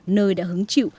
nơi đã hứng chịu